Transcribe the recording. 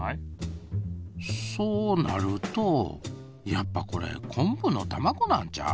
そうなるとやっぱこれ昆布のたまごなんちゃう？